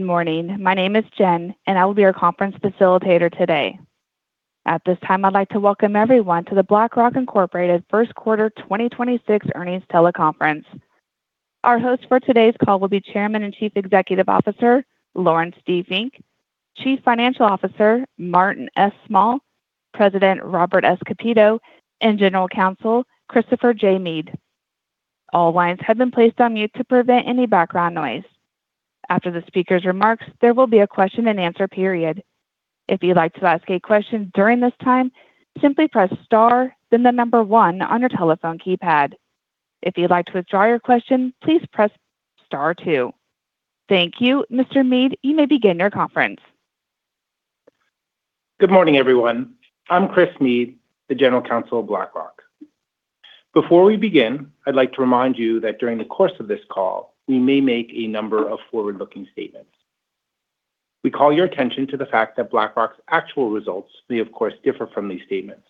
Good morning. My name is Jen, and I will be your conference facilitator today. At this time, I'd like to welcome everyone to the BlackRock, Inc. first quarter 2026 earnings teleconference. Our host for today's call will be Chairman and Chief Executive Officer, Laurence D. Fink, Chief Financial Officer, Martin S. Small, President, Robert S. Kapito, and General Counsel, Christopher J. Meade. All lines have been placed on mute to prevent any background noise. After the speaker's remarks, there will be a question and answer period. If you'd like to ask a question during this time, simply press star, then the number one on your telephone keypad. If you'd like to withdraw your question, please press star two. Thank you. Mr. Meade, you may begin your conference. Good morning, everyone. I'm Chris Meade, the General Counsel of BlackRock. Before we begin, I'd like to remind you that during the course of this call, we may make a number of forward-looking statements. We call your attention to the fact that BlackRock's actual results may, of course, differ from these statements.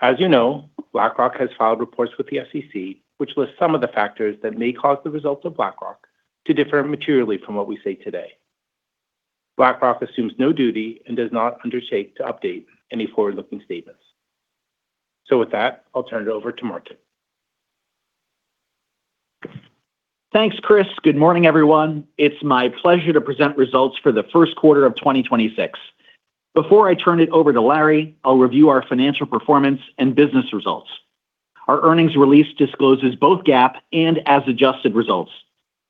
As you know, BlackRock has filed reports with the SEC, which lists some of the factors that may cause the results of BlackRock to differ materially from what we say today. BlackRock assumes no duty and does not undertake to update any forward-looking statements. With that, I'll turn it over to Martin. Thanks, Chris. Good morning, everyone. It's my pleasure to present results for the first quarter of 2026. Before I turn it over to Larry, I'll review our financial performance and business results. Our earnings release discloses both GAAP and as adjusted results.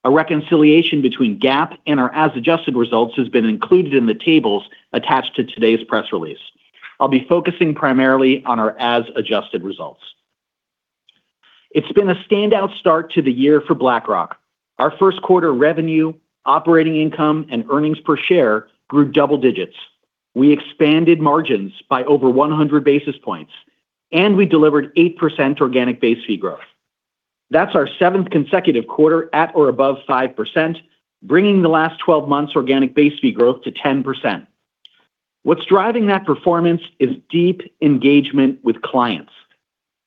A reconciliation between GAAP and our as adjusted results has been included in the tables attached to today's press release. I'll be focusing primarily on our as adjusted results. It's been a standout start to the year for BlackRock. Our first quarter revenue, operating income, and earnings per share grew double digits. We expanded margins by over 100 basis points, and we delivered 8% organic base fee growth. That's our seventh consecutive quarter at or above 5%, bringing the last 12 months organic base fee growth to 10%. What's driving that performance is deep engagement with clients.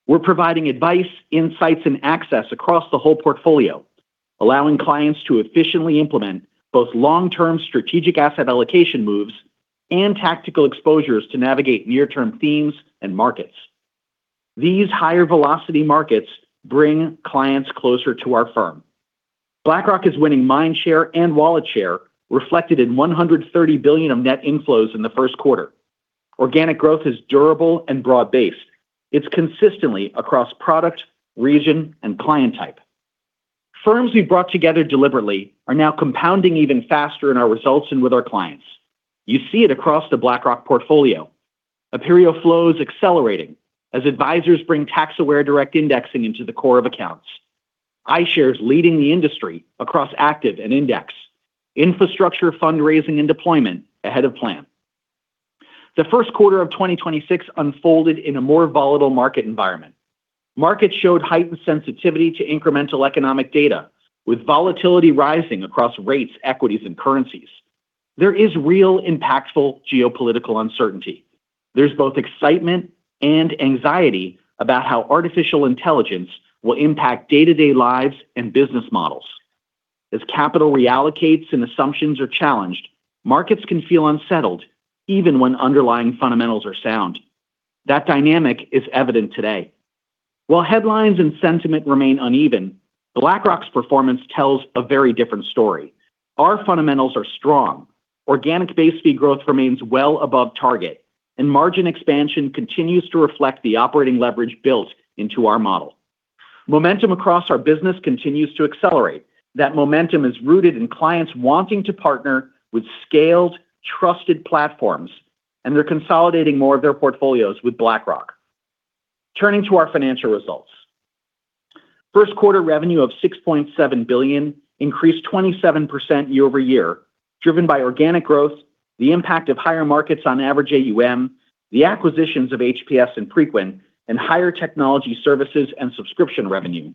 We're providing advice, insights, and access across the whole portfolio, allowing clients to efficiently implement both long-term strategic asset allocation moves and tactical exposures to navigate near-term themes and markets. These higher-velocity markets bring clients closer to our firm. BlackRock is winning mind share and wallet share, reflected in $130 billion of net inflows in the first quarter. Organic growth is durable and broad-based. It's consistent across product, region, and client type. Firms we brought together deliberately are now compounding even faster in our results and with our clients. You see it across the BlackRock portfolio. Aperio flow is accelerating as advisors bring tax-aware direct indexing into the core of accounts. iShares leading the industry across active and index. Infrastructure fundraising and deployment ahead of plan. The first quarter of 2026 unfolded in a more volatile market environment. Markets showed heightened sensitivity to incremental economic data, with volatility rising across rates, equities, and currencies. There is real impactful geopolitical uncertainty. There's both excitement and anxiety about how artificial intelligence will impact day-to-day lives and business models. As capital reallocates and assumptions are challenged, markets can feel unsettled even when underlying fundamentals are sound. That dynamic is evident today. While headlines and sentiment remain uneven, BlackRock's performance tells a very different story. Our fundamentals are strong. Organic base fee growth remains well above target, and margin expansion continues to reflect the operating leverage built into our model. Momentum across our business continues to accelerate. That momentum is rooted in clients wanting to partner with scaled, trusted platforms, and they're consolidating more of their portfolios with BlackRock. Turning to our financial results. First quarter revenue of $6.7 billion increased 27% year-over-year, driven by organic growth, the impact of higher markets on average AUM, the acquisitions of HPS and Preqin, and higher technology services and subscription revenue.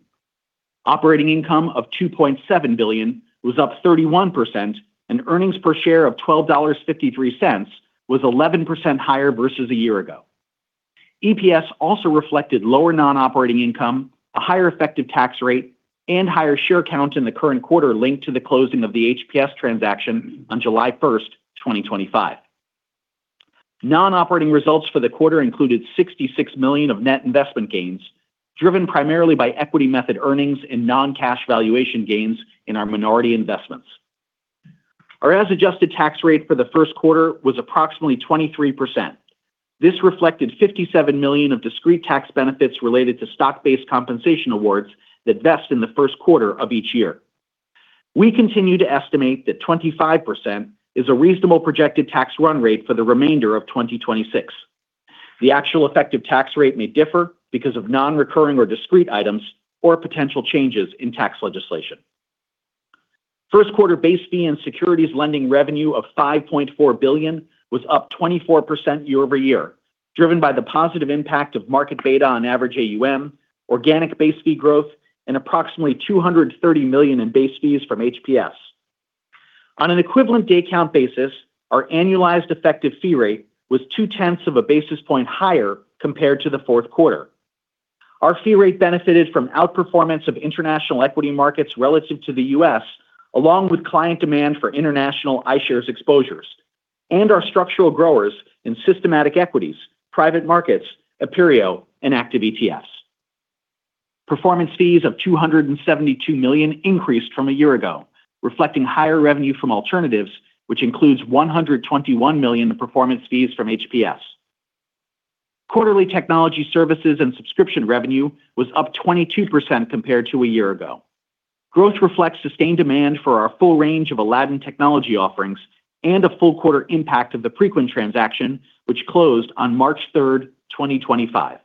Operating income of $2.7 billion was up 31%, and earnings per share of $12.53 was 11% higher versus a year ago. EPS also reflected lower non-operating income, a higher effective tax rate, and higher share count in the current quarter linked to the closing of the HPS transaction on July 1st, 2025. Non-operating results for the quarter included $66 million of net investment gains, driven primarily by equity method earnings and non-cash valuation gains in our minority investments. Our as-adjusted tax rate for the first quarter was approximately 23%. This reflected $57 million of discrete tax benefits related to stock-based compensation awards that vest in the first quarter of each year. We continue to estimate that 25% is a reasonable projected tax run rate for the remainder of 2026. The actual effective tax rate may differ because of non-recurring or discrete items or potential changes in tax legislation. First quarter base fee and securities lending revenue of $5.4 billion was up 24% year-over-year, driven by the positive impact of market beta on average AUM, organic base fee growth, and approximately $230 million in base fees from HPS. On an equivalent day count basis, our annualized effective fee rate was 2/10 of a basis point higher compared to the fourth quarter. Our fee rate benefited from outperformance of international equity markets relative to the U.S. along with client demand for international iShares exposures and our structural growers in systematic equities, private markets, Aperio, and active ETFs. Performance fees of $272 million increased from a year ago, reflecting higher revenue from alternatives, which includes $121 million of performance fees from HPS. Quarterly technology services and subscription revenue was up 22% compared to a year ago. Growth reflects sustained demand for our full range of Aladdin technology offerings and a full quarter impact of the Preqin transaction, which closed on March 3rd, 2025.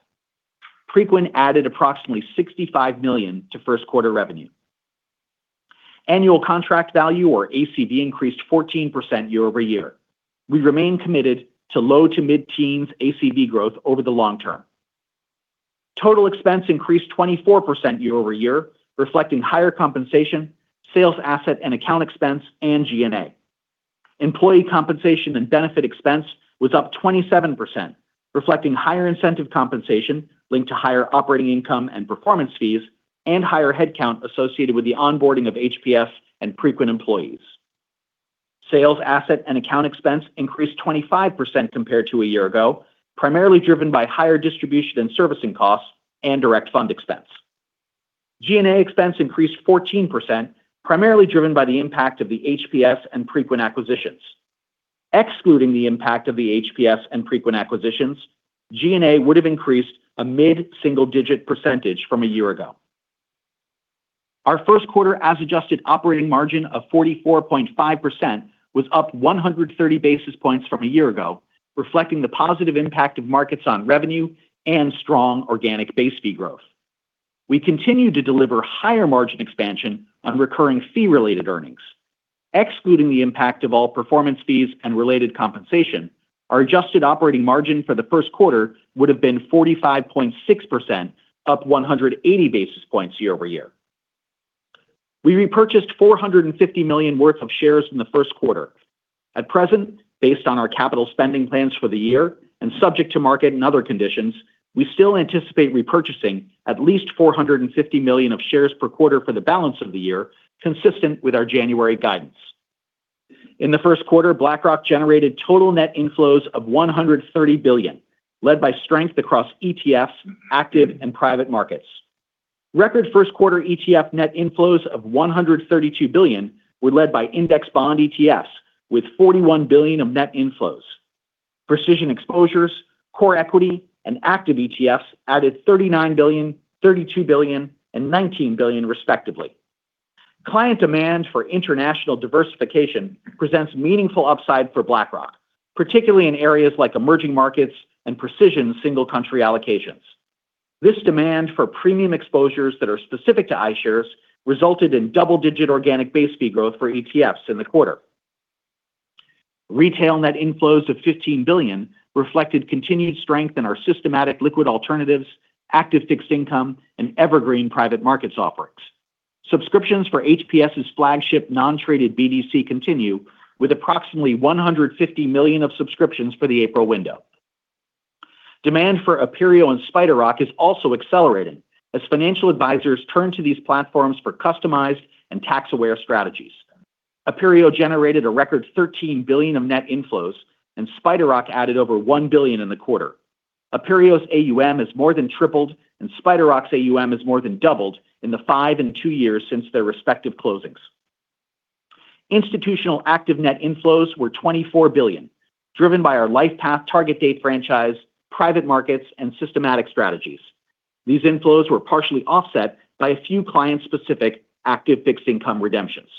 Preqin added approximately $65 million to first quarter revenue. Annual contract value, or ACV, increased 14% year-over-year. We remain committed to low to mid-teens ACV growth over the long term. Total expense increased 24% year-over-year, reflecting higher compensation, sales asset and account expense, and G&A. Employee compensation and benefit expense was up 27%, reflecting higher incentive compensation linked to higher operating income and performance fees and higher headcount associated with the onboarding of HPS and Preqin employees. Sales, asset, and account expense increased 25% compared to a year ago, primarily driven by higher distribution and servicing costs and direct fund expense. G&A expense increased 14%, primarily driven by the impact of the HPS and Preqin acquisitions. Excluding the impact of the HPS and Preqin acquisitions, G&A would have increased a mid-single-digit percentage from a year ago. Our first quarter as adjusted operating margin of 44.5% was up 130 basis points from a year ago, reflecting the positive impact of markets on revenue and strong organic base fee growth. We continue to deliver higher margin expansion on recurring fee-related earnings. Excluding the impact of all performance fees and related compensation, our adjusted operating margin for the first quarter would have been 45.6%, up 180 basis points year-over-year. We repurchased $450 million worth of shares in the first quarter. At present, based on our capital spending plans for the year and subject to market and other conditions, we still anticipate repurchasing at least $450 million of shares per quarter for the balance of the year, consistent with our January guidance. In the first quarter, BlackRock generated total net inflows of $130 billion, led by strength across ETFs, active and private markets. Record first quarter ETF net inflows of $132 billion were led by index bond ETFs with $41 billion of net inflows. Precision exposures, core equity, and active ETFs added $39 billion, $32 billion, and $19 billion respectively. Client demand for international diversification presents meaningful upside for BlackRock, particularly in areas like emerging markets and precision single country allocations. This demand for premium exposures that are specific to iShares resulted in double-digit organic base fee growth for ETFs in the quarter. Retail net inflows of $15 billion reflected continued strength in our systematic liquid alternatives, active fixed income, and evergreen private markets offerings. Subscriptions for HPS flagship non-traded BDC continue, with approximately $150 million of subscriptions for the April window. Demand for Aperio and SpiderRock is also accelerating as financial advisors turn to these platforms for customized and tax-aware strategies. Aperio generated a record $13 billion of net inflows, and SpiderRock added over $1 billion in the quarter. Aperio's AUM has more than tripled, and SpiderRock's AUM has more than doubled in the five and two years since their respective closings. Institutional active net inflows were $24 billion, driven by our LifePath target-date franchise, private markets, and systematic strategies. These inflows were partially offset by a few client-specific active fixed income redemptions.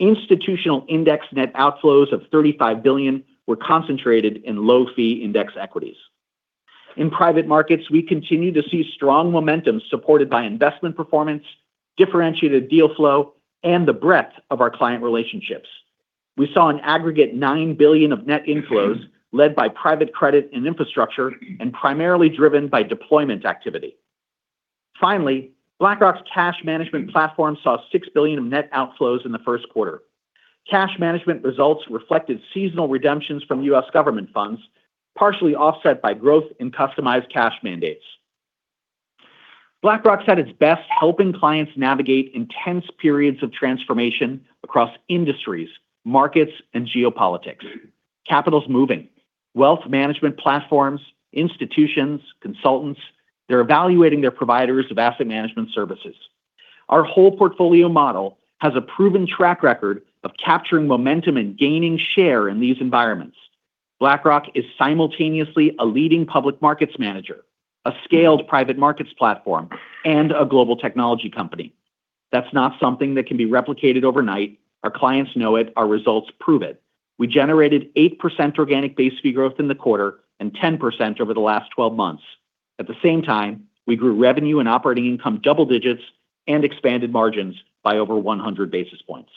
Institutional index net outflows of $35 billion were concentrated in low-fee index equities. In private markets, we continue to see strong momentum supported by investment performance, differentiated deal flow, and the breadth of our client relationships. We saw an aggregate $9 billion of net inflows led by private credit and infrastructure and primarily driven by deployment activity. Finally, BlackRock's cash management platform saw $6 billion of net outflows in the first quarter. Cash management results reflected seasonal redemptions from U.S. government funds, partially offset by growth in customized cash mandates. BlackRock's at its best helping clients navigate intense periods of transformation across industries, markets, and geopolitics. Capital's moving. Wealth management platforms, institutions, consultants, they're evaluating their providers of asset management services. Our whole portfolio model has a proven track record of capturing momentum and gaining share in these environments. BlackRock is simultaneously a leading public markets manager, a scaled private markets platform, and a global technology company. That's not something that can be replicated overnight. Our clients know it. Our results prove it. We generated 8% organic base fee growth in the quarter and 10% over the last 12 months. At the same time, we grew revenue and operating income double digits and expanded margins by over 100 basis points.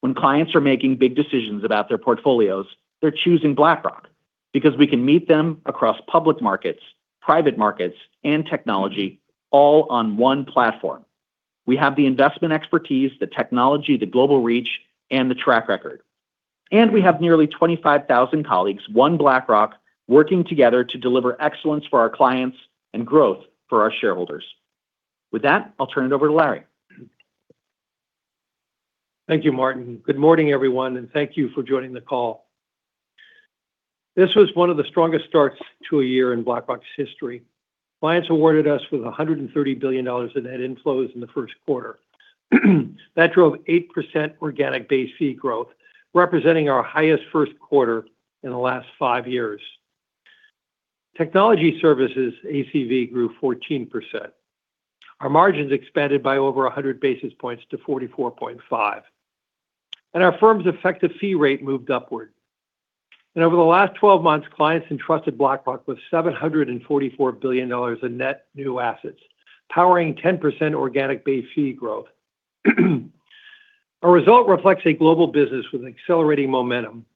When clients are making big decisions about their portfolios, they're choosing BlackRock because we can meet them across public markets, private markets, and technology all on one platform. We have the investment expertise, the technology, the global reach, and the track record. We have nearly 25,000 colleagues, one BlackRock, working together to deliver excellence for our clients and growth for our shareholders. With that, I'll turn it over to Larry. Thank you, Martin. Good morning, everyone, and thank you for joining the call. This was one of the strongest starts to a year in BlackRock's history. Clients awarded us with $130 billion in net inflows in the first quarter. That drove 8% organic base fee growth, representing our highest first quarter in the last five years. Technology services ACV grew 14%. Our margins expanded by over 100 basis points to 44.5%, and our firm's effective fee rate moved upward. Over the last 12 months, clients entrusted BlackRock with $744 billion in net new assets, powering 10% organic base fee growth. Our result reflects a global business with accelerating momentum,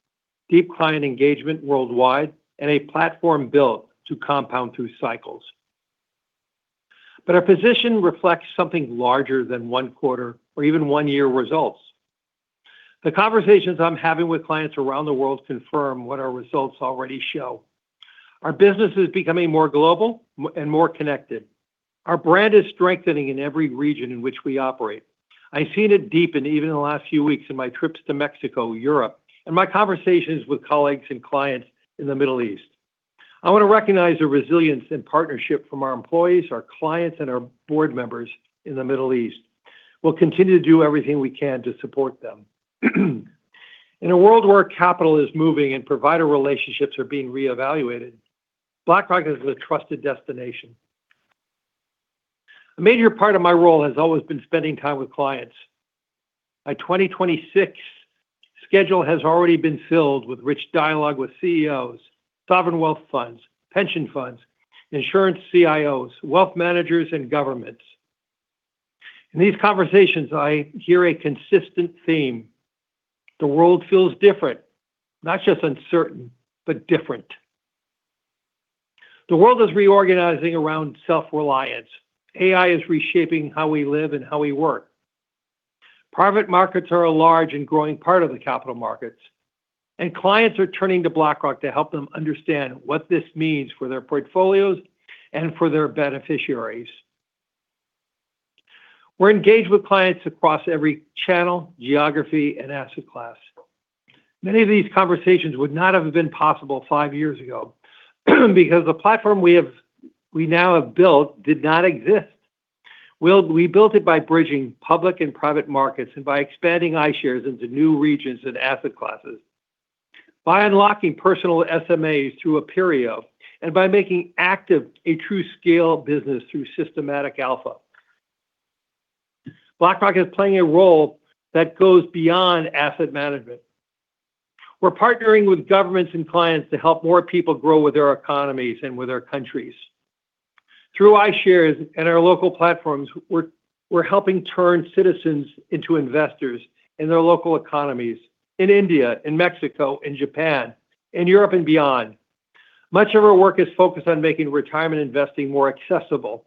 deep client engagement worldwide, and a platform built to compound through cycles. Our position reflects something larger than one quarter or even one-year results. The conversations I'm having with clients around the world confirm what our results already show. Our business is becoming more global and more connected. Our brand is strengthening in every region in which we operate. I've seen it deepen even in the last few weeks in my trips to Mexico, Europe, and my conversations with colleagues and clients in the Middle East. I want to recognize the resilience and partnership from our employees, our clients, and our Board Members in the Middle East. We'll continue to do everything we can to support them. In a world where capital is moving and provider relationships are being reevaluated, BlackRock is a trusted destination. A major part of my role has always been spending time with clients. My 2026 schedule has already been filled with rich dialogue with CEOs, sovereign wealth funds, pension funds, insurance CIOs, wealth managers, and governments. In these conversations, I hear a consistent theme. The world feels different, not just uncertain, but different. The world is reorganizing around self-reliance. AI is reshaping how we live and how we work. Private markets are a large and growing part of the capital markets, and clients are turning to BlackRock to help them understand what this means for their portfolios and for their beneficiaries. We're engaged with clients across every channel, geography and asset class. Many of these conversations would not have been possible five years ago, because the platform we now have built did not exist. We built it by bridging public and private markets and by expanding iShares into new regions and asset classes, by unlocking personal SMAs through Aperio, and by making active a true scale business through systematic alpha. BlackRock is playing a role that goes beyond asset management. We're partnering with governments and clients to help more people grow with their economies and with their countries. Through iShares and our local platforms, we're helping turn citizens into investors in their local economies in India and Mexico and Japan and Europe and beyond. Much of our work is focused on making retirement investing more accessible.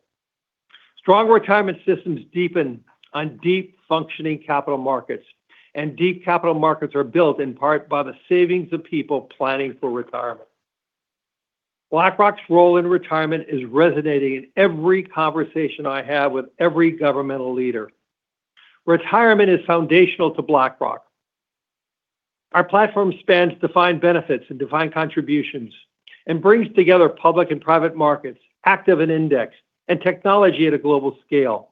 Strong retirement systems depend on deep functioning capital markets, and deep capital markets are built in part by the savings of people planning for retirement. BlackRock's role in retirement is resonating in every conversation I have with every governmental leader. Retirement is foundational to BlackRock. Our platform spans defined benefits and defined contributions and brings together public and private markets, active and index, and technology at a global scale.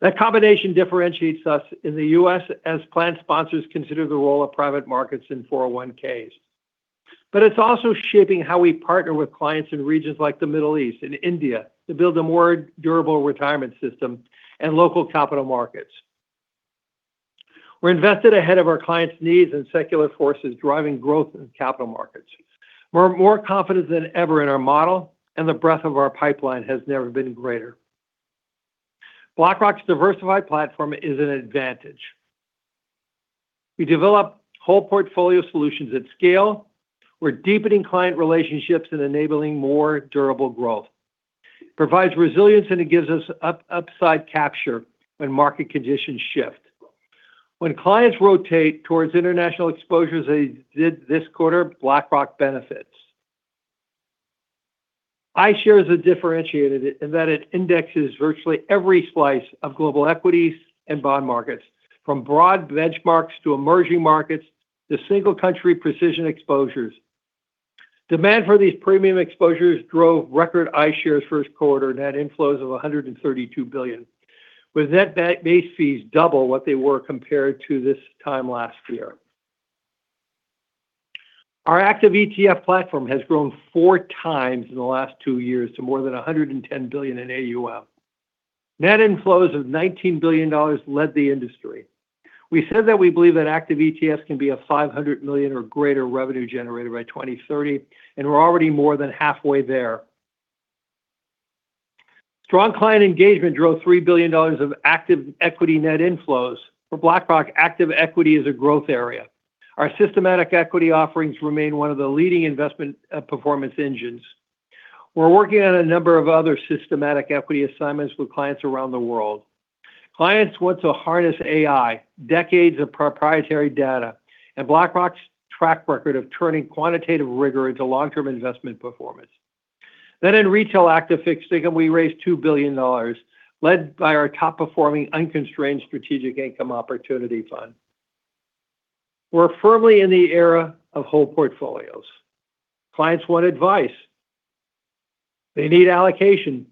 That combination differentiates us in the U.S. as plan sponsors consider the role of private markets in 401(k)s. It's also shaping how we partner with clients in regions like the Middle East and India to build a more durable retirement system and local capital markets. We're invested ahead of our clients' needs and secular forces driving growth in capital markets. We're more confident than ever in our model, and the breadth of our pipeline has never been greater. BlackRock's diversified platform is an advantage. We develop whole portfolio solutions at scale. We're deepening client relationships and enabling more durable growth. It provides resilience, and it gives us upside capture when market conditions shift. When clients rotate towards international exposures as they did this quarter, BlackRock benefits. iShares are differentiated in that it indexes virtually every slice of global equities and bond markets, from broad benchmarks to emerging markets, to single country precision exposures. Demand for these premium exposures drove record iShares first quarter net inflows of $132 billion, with net base fees double what they were compared to this time last year. Our active ETF platform has grown four times in the last two years to more than $110 billion in AUM. Net inflows of $19 billion led the industry. We said that we believe that active ETFs can be a $500 million or greater revenue generator by 2030, and we're already more than halfway there. Strong client engagement drove $3 billion of active equity net inflows. For BlackRock, active equity is a growth area. Our systematic equity offerings remain one of the leading investment performance engines. We're working on a number of other systematic equity assignments with clients around the world. Clients want to harness AI, decades of proprietary data, and BlackRock's track record of turning quantitative rigor into long-term investment performance. In Retail Active Fixed Income, we raised $2 billion, led by our top-performing unconstrained Strategic Income Opportunities Fund. We're firmly in the era of whole portfolios. Clients want advice. They need allocation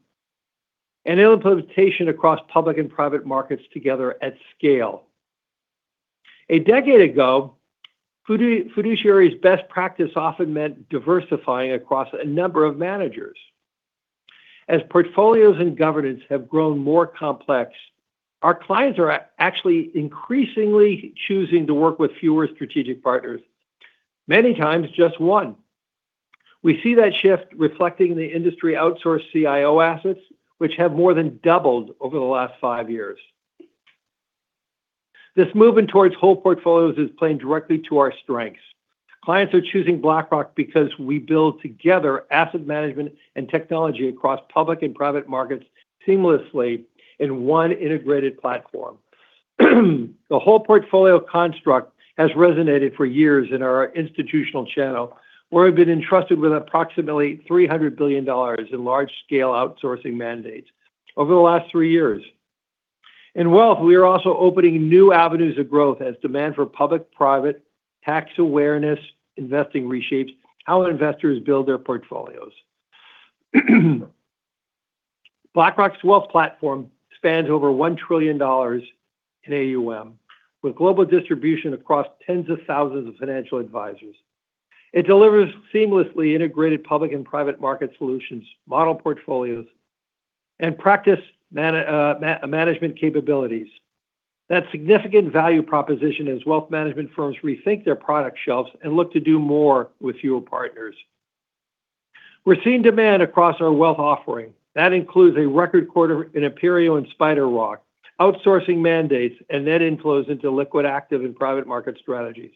and implementation across public and private markets together at scale. A decade ago, fiduciary's best practice often meant diversifying across a number of managers. As portfolios and governance have grown more complex, our clients are actually increasingly choosing to work with fewer strategic partners, many times just one. We see that shift reflecting the industry outsourced CIO assets, which have more than doubled over the last five years. This movement towards whole portfolios is playing directly to our strengths. Clients are choosing BlackRock because we build together asset management and technology across public and private markets seamlessly in one integrated platform. The whole portfolio construct has resonated for years in our institutional channel, where we've been entrusted with approximately $300 billion in large-scale outsourcing mandates over the last three years. In wealth, we are also opening new avenues of growth as demand for public-private tax awareness investing reshapes how investors build their portfolios. BlackRock's wealth platform spans over $1 trillion in AUM, with global distribution across tens of thousands of financial advisors. It delivers seamlessly integrated public and private market solutions, model portfolios, and practice management capabilities. That's significant value proposition as wealth management firms rethink their product shelves and look to do more with fewer partners. We're seeing demand across our wealth offering. That includes a record quarter in Aperio and SpiderRock, outsourcing mandates and net inflows into liquid active and private market strategies.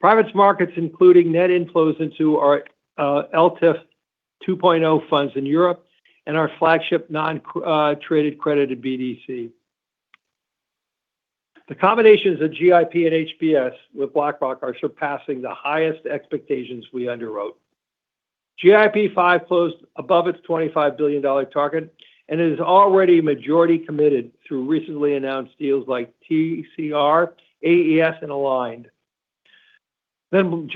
Private markets, including net inflows into our ELTIF 2.0 funds in Europe and our flagship non-traded credit BDC. The combinations of GIP and HPS with BlackRock are surpassing the highest expectations we underwrote. GIP V closed above its $25 billion target and is already majority committed through recently announced deals like TCR, AES, and Aligned. Joining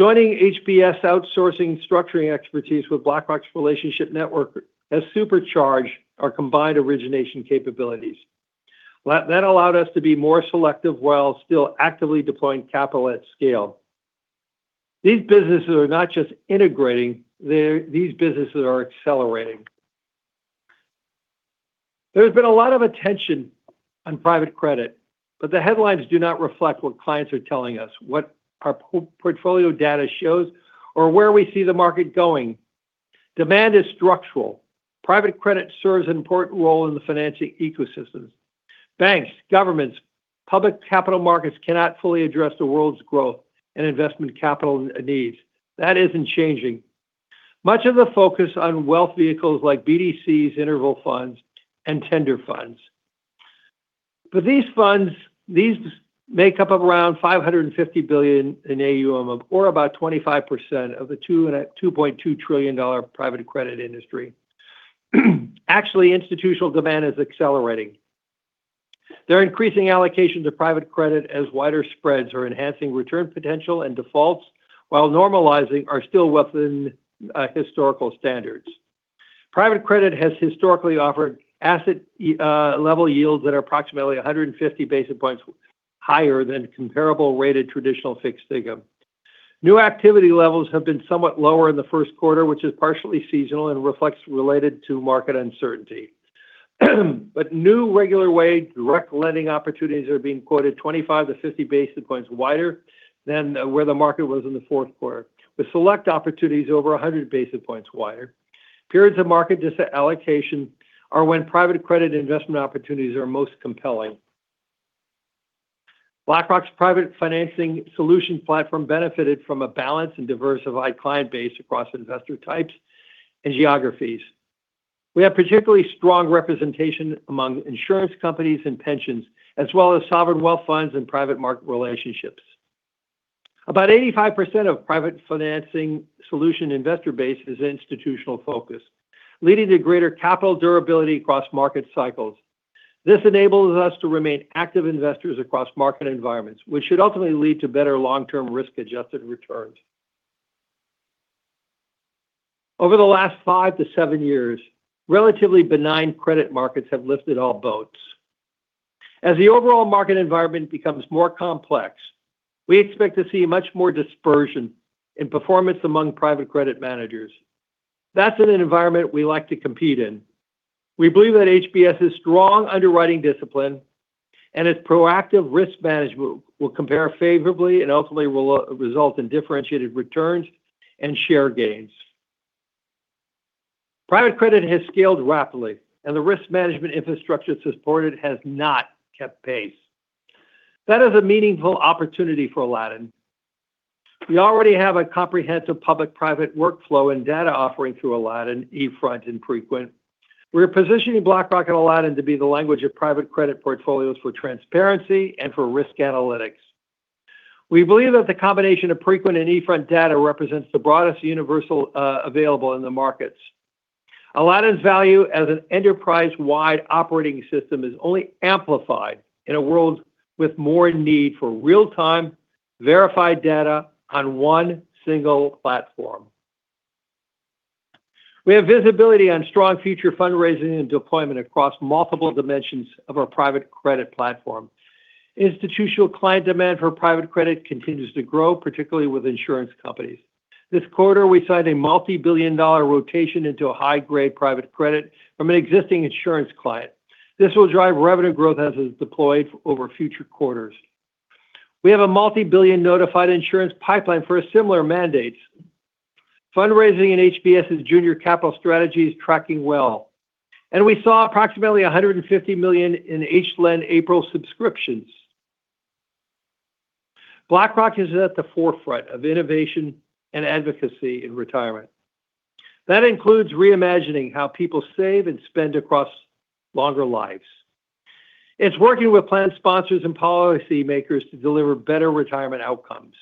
HPS sourcing and structuring expertise with BlackRock's relationship network has supercharged our combined origination capabilities. That allowed us to be more selective while still actively deploying capital at scale. These businesses are not just integrating, these businesses are accelerating. There's been a lot of attention on private credit, but the headlines do not reflect what clients are telling us, what our portfolio data shows, or where we see the market going. Demand is structural. Private credit serves an important role in the financing ecosystems. Banks, governments, public capital markets cannot fully address the world's growth and investment capital needs. That isn't changing. Much of the focus on wealth vehicles like BDCs, interval funds, and tender funds, these funds make up of around $550 billion in AUM, or about 25% of the $2.2 trillion private credit industry. Actually, institutional demand is accelerating. They're increasing allocations of private credit as wider spreads are enhancing return potential and defaults, while normalizing, are still within historical standards. Private credit has historically offered asset-level yields that are approximately 150 basis points higher than comparably rated traditional fixed income. New activity levels have been somewhat lower in the first quarter, which is partially seasonal and reflects related to market uncertainty. New regular way direct lending opportunities are being quoted 25-50 basis points wider than where the market was in the fourth quarter, with select opportunities over 100 basis points wider. Periods of market disallocation are when private credit investment opportunities are most compelling. BlackRock's Private Financing Solutions platform benefited from a balanced and diversified client base across investor types and geographies. We have particularly strong representation among insurance companies and pensions, as well as sovereign wealth funds and private market relationships. About 85% of Private Financing Solutions' investor base is institutionally focused, leading to greater capital durability across market cycles. This enables us to remain active investors across market environments, which should ultimately lead to better long-term risk-adjusted returns. Over the last five to seven years, relatively benign credit markets have lifted all boats. As the overall market environment becomes more complex, we expect to see much more dispersion in performance among private credit managers. That's an environment we like to compete in. We believe that HPS strong underwriting discipline and its proactive risk management will compare favorably and ultimately will result in differentiated returns and share gains. Private credit has scaled rapidly, and the risk management infrastructure to support it has not kept paceThat is a meaningful opportunity for Aladdin. We already have a comprehensive public-private workflow and data offering through Aladdin, eFront, and Preqin. We're positioning BlackRock and Aladdin to be the language of private credit portfolios for transparency and for risk analytics. We believe that the combination of Preqin and eFront data represents the broadest universal available in the markets. Aladdin's value as an enterprise-wide operating system is only amplified in a world with more need for real-time verified data on one single platform. We have visibility on strong future fundraising and deployment across multiple dimensions of our private credit platform. Institutional client demand for private credit continues to grow, particularly with insurance companies. This quarter, we signed a multi-billion-dollar rotation into a high-grade private credit from an existing insurance client. This will drive revenue growth as it is deployed over future quarters. We have a multi-billion notified insurance pipeline for a similar mandate. Fundraising in HPS junior capital strategy is tracking well, and we saw approximately $150 million in HLEND April subscriptions. BlackRock is at the forefront of innovation and advocacy in retirement. That includes reimagining how people save and spend across longer lives. It's working with plan sponsors and policymakers to deliver better retirement outcomes.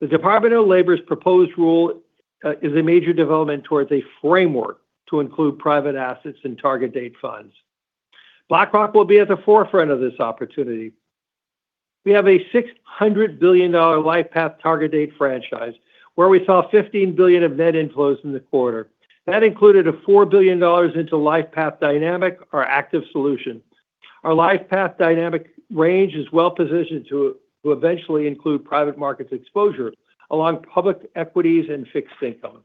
The Department of Labor's proposed rule is a major development towards a framework to include private assets and target date funds. BlackRock will be at the forefront of this opportunity. We have a $600 billion LifePath target date franchise, where we saw $15 billion of net inflows in the quarter. That included a $4 billion into LifePath Dynamic, our active solution. Our LifePath Dynamic range is well-positioned to eventually include private markets exposure along public equities and fixed income.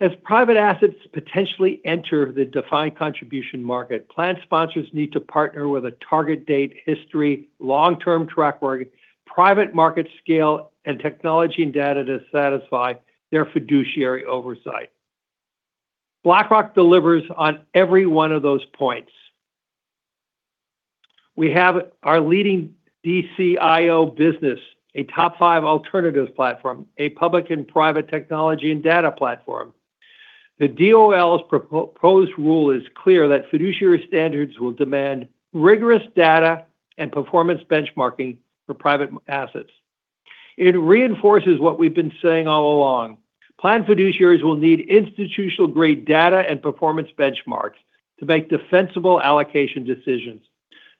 As private assets potentially enter the defined contribution market, plan sponsors need to partner with a target date history, long-term track record, private market scale, and technology and data to satisfy their fiduciary oversight. BlackRock delivers on every one of those points. We have our leading DCIO business, a top five alternatives platform, a public and private technology and data platform. The DOL's proposed rule is clear that fiduciary standards will demand rigorous data and performance benchmarking for private assets. It reinforces what we've been saying all along. Plan fiduciaries will need institutional-grade data and performance benchmarks to make defensible allocation decisions.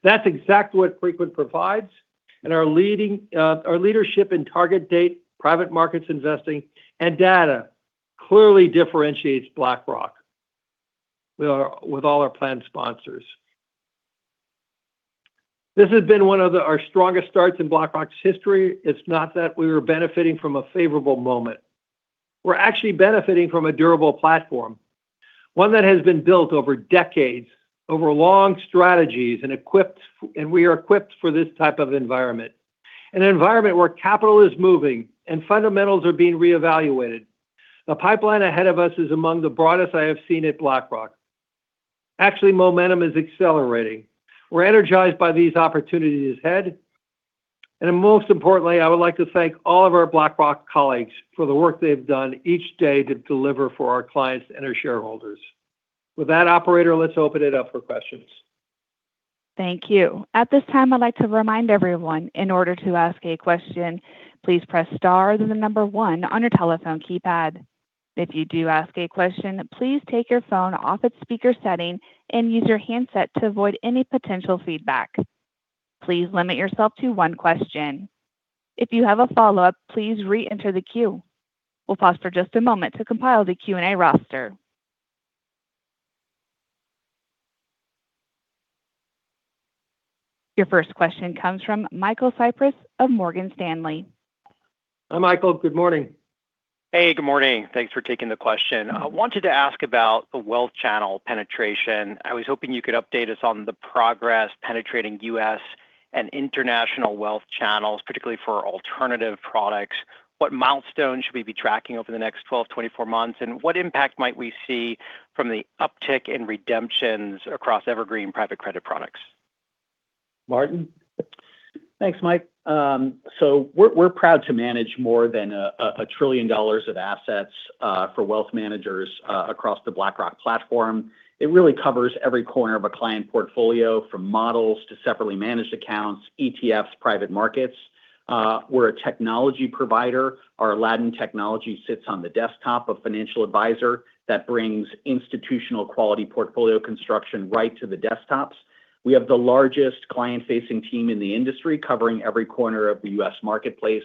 That's exactly what Preqin provides, and our leadership in target date, private markets investing, and data clearly differentiates BlackRock with all our plan sponsors. This has been one of our strongest starts in BlackRock's history. It's not that we were benefiting from a favorable moment. We're actually benefiting from a durable platform, one that has been built over decades, over long strategies, and we are equipped for this type of environment, an environment where capital is moving and fundamentals are being reevaluated. The pipeline ahead of us is among the broadest I have seen at BlackRock. Actually, momentum is accelerating. We're energized by these opportunities ahead, and most importantly, I would like to thank all of our BlackRock colleagues for the work they've done each day to deliver for our clients and our shareholders. With that, Operator, let's open it up for questions. Thank you. At this time, I'd like to remind everyone, in order to ask a question, please press star, then the number one on your telephone keypad. If you do ask a question, please take your phone off its speaker setting and use your handset to avoid any potential feedback. Please limit yourself to one question. If you have a follow-up, please re-enter the queue. We'll pause for just a moment to compile the Q&A roster. Your first question comes from Michael Cyprys of Morgan Stanley. Hi, Michael. Good morning. Hey, good morning. Thanks for taking the question. I wanted to ask about the wealth channel penetration. I was hoping you could update us on the progress penetrating U.S. and international wealth channels, particularly for alternative products. What milestones should we be tracking over the next 12-24 months, and what impact might we see from the uptick in redemptions across evergreen private credit products? Martin? Thanks, Mike. So we're proud to manage more than a trillion dollars of assets for wealth managers across the BlackRock platform. It really covers every corner of a client portfolio, from models to separately managed accounts, ETFs, private markets. We're a technology provider. Our Aladdin technology sits on the desktop of financial advisor that brings institutional quality portfolio construction right to the desktops. We have the largest client-facing team in the industry, covering every corner of the U.S. marketplace,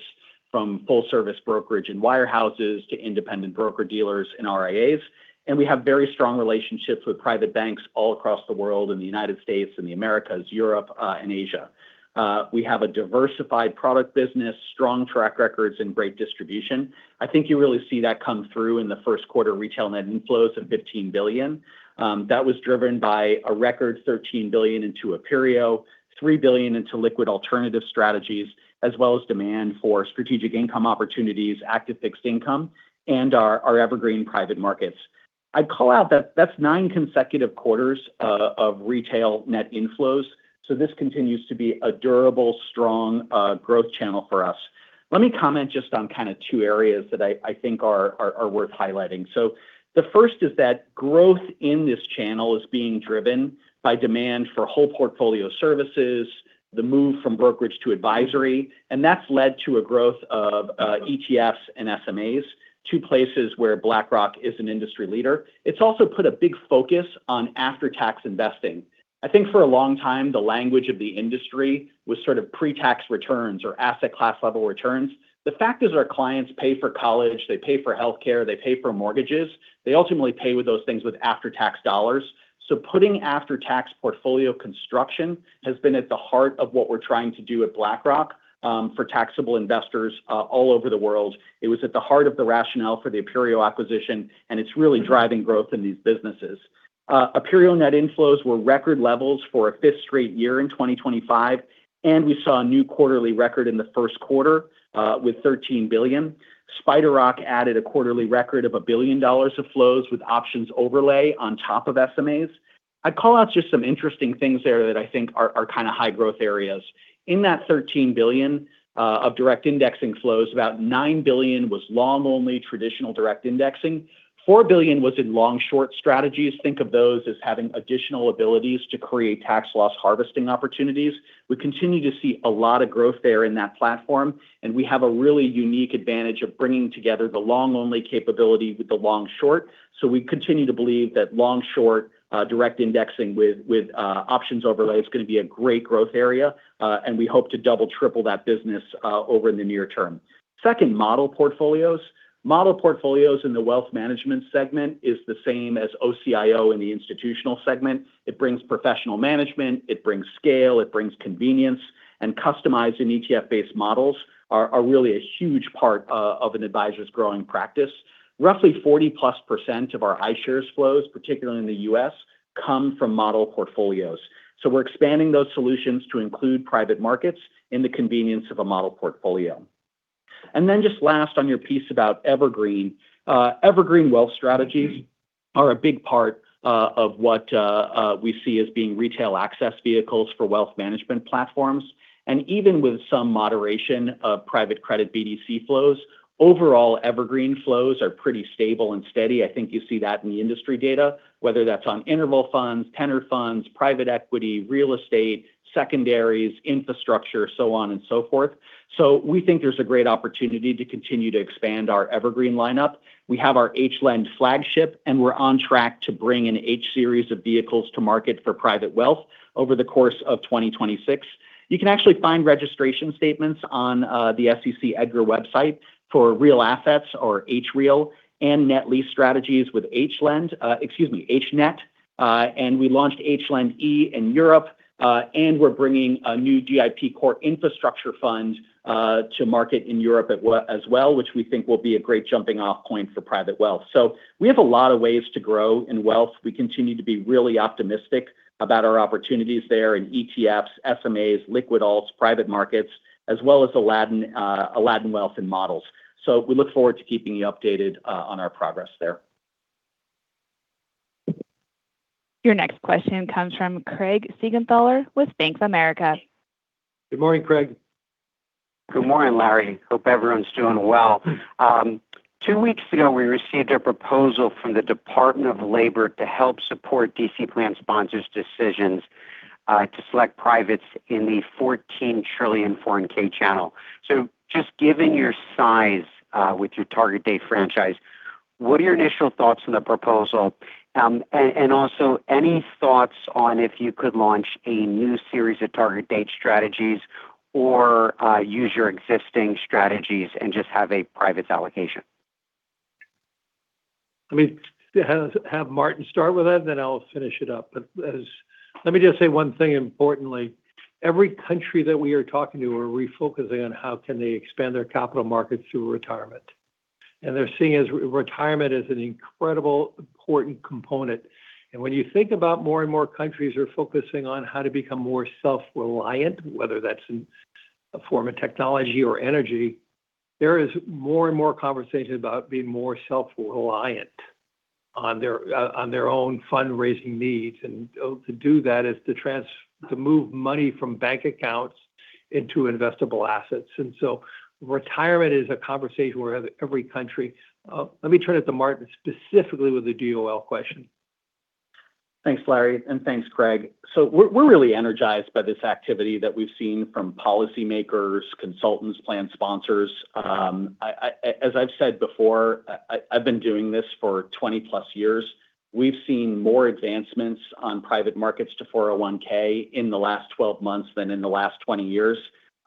from full-service brokerage and wirehouses to independent broker-dealers and RIAs. And we have very strong relationships with private banks all across the world in the United States and the Americas, Europe, and Asia. We have a diversified product business, strong track records, and great distribution. I think you really see that come through in the first quarter retail net inflows of $15 billion. That was driven by a record $13 billion into Aperio, $3 billion into liquid alternative strategies, as well as demand for Strategic Income Opportunities, active fixed income, and our evergreen private markets. I'd call out that that's nine consecutive quarters of retail net inflows, so this continues to be a durable, strong growth channel for us. Let me comment just on kind of two areas that I think are worth highlighting. The first is that growth in this channel is being driven by demand for whole portfolio services, the move from brokerage to advisory, and that's led to a growth of ETFs and SMAs, two places where BlackRock is an industry leader. It's also put a big focus on after-tax investing. I think for a long time, the language of the industry was sort of pre-tax returns or asset class level returns. The fact is, our clients pay for college, they pay for healthcare, they pay for mortgages. They ultimately pay with those things with after-tax dollars. Putting after-tax portfolio construction has been at the heart of what we're trying to do at BlackRock for taxable investors all over the world. It was at the heart of the rationale for the Aperio acquisition, and it's really driving growth in these businesses. Aperio net inflows were record levels for a fifth straight year in 2025, and we saw a new quarterly record in the first quarter with $13 billion. SpiderRock added a quarterly record of $1 billion of flows with options overlay on top of SMAs. I'd call out just some interesting things there that I think are kind of high growth areas. In that $13 billion of direct indexing flows, about $9 billion was long-only traditional direct indexing. $4 billion was in long-short strategies. Think of those as having additional abilities to create tax loss harvesting opportunities. We continue to see a lot of growth there in that platform, and we have a really unique advantage of bringing together the long-only capability with the long-short. We continue to believe that long-short direct indexing with options overlay is going to be a great growth area, and we hope to double, triple that business over in the near term. Second, model portfolios. Model portfolios in the wealth management segment is the same as OCIO in the institutional segment. It brings professional management, it brings scale, it brings convenience, and customized and ETF-based models are really a huge part of an advisor's growing practice. Roughly 40%+ of our iShares flows, particularly in the U.S., come from model portfolios. We're expanding those solutions to include private markets in the convenience of a model portfolio. Just last on your piece about evergreen. Evergreen wealth strategies are a big part of what we see as being retail access vehicles for wealth management platforms. Even with some moderation of private credit BDC flows, overall evergreen flows are pretty stable and steady. I think you see that in the industry data, whether that's on interval funds, tender funds, private equity, real estate, secondaries, infrastructure, so on and so forth. We think there's a great opportunity to continue to expand our evergreen lineup. We have our HLEND flagship, and we're on track to bring an H Series of vehicles to market for private wealth over the course of 2026. You can actually find registration statements on the SEC EDGAR website for real assets or HREAL and net lease strategies with HLEND. Excuse me, HNET. We launched HLEND E in Europe, and we're bringing a new GIP Core Infrastructure fund to market in Europe as well, which we think will be a great jumping-off point for private wealth. We have a lot of ways to grow in wealth. We continue to be really optimistic about our opportunities there in ETFs, SMAs, liquid alts, private markets, as well as Aladdin Wealth and models. We look forward to keeping you updated on our progress there. Your next question comes from Craig Siegenthaler with Bank of America. Good morning, Craig. Good morning, Larry. Hope everyone's doing well. Two weeks ago, we received a proposal from the Department of Labor to help support DC plan sponsors' decisions to select privates in the $14 trillion 401(k) channel. Just given your size with your target date franchise, what are your initial thoughts on the proposal? Also, any thoughts on if you could launch a new series of target date strategies or use your existing strategies and just have a privates allocation? Let me have Martin start with that, and then I'll finish it up. Let me just say one thing importantly, every country that we are talking to are refocusing on how can they expand their capital markets through retirement. They're seeing retirement as an incredible, important component. When you think about more and more countries are focusing on how to become more self-reliant, whether that's in a form of technology or energy, there is more and more conversation about being more self-reliant on their own fundraising needs. To do that is to move money from bank accounts into investable assets. Retirement is a conversation we're having every country. Let me turn it to Martin specifically with the DOL question. Thanks, Larry, and thanks, Craig. We're really energized by this activity that we've seen from policymakers, consultants, plan sponsors. As I've said before, I've been doing this for 20+ years. We've seen more advancements on private markets to 401(k) in the last 12 months than in the last 20 years.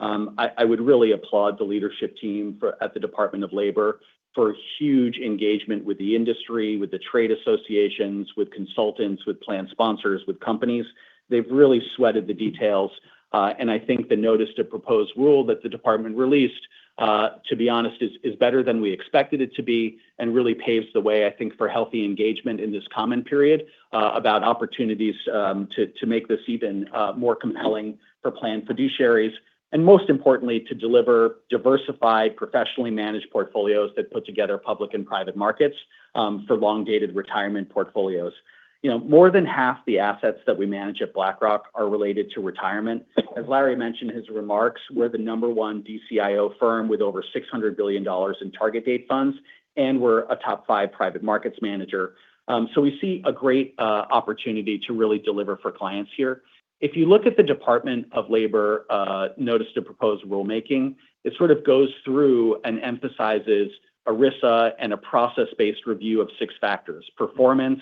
I would really applaud the leadership team at the Department of Labor for huge engagement with the industry, with the trade associations, with consultants, with plan sponsors, with companies. They've really sweated the details. I think the notice of proposed rule that the Department released, to be honest, is better than we expected it to be and really paves the way, I think, for healthy engagement in this comment period about opportunities to make this even more compelling for plan fiduciaries, and most importantly, to deliver diversified, professionally managed portfolios that put together public and private markets for long-dated retirement portfolios. More than half the assets that we manage at BlackRock are related to retirement. As Larry mentioned in his remarks, we're the number one DCIO firm with over $600 billion in target date funds, and we're a top five private markets manager. We see a great opportunity to really deliver for clients here. If you look at the Department of Labor notice of proposed rulemaking, it sort of goes through and emphasizes ERISA and a process-based review of six factors, performance,